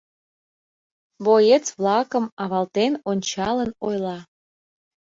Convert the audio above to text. Боец-влакым авалтен ончалын ойла: